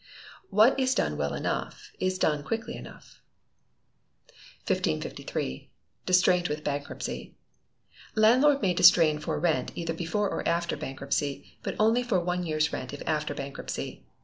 [WHAT IS DONE WELL ENOUGH, IS DONE QUICKLY ENOUGH.] 1553. Distraint with Bankruptcy. Landlord may distrain for rent either before or after bankruptcy, but only for one year's rent if after bankruptcy.